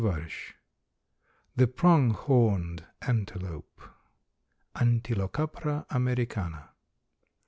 ] THE PRONG HORNED ANTELOPE. (_Antilocapra americana.